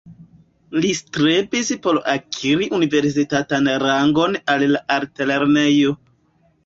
Li strebis por akiri universitatan rangon al la altlernejo.